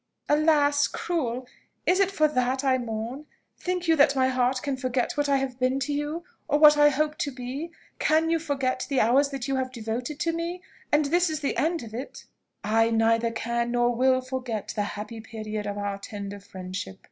"Alas! Cruel! Is it for that I mourn? Think you that my heart can forget what I have been to you, or what I hoped to be? Can you forget the hours that you have devoted to me? And is this the end of it?" "I neither can nor will forget the happy period of our tender friendship.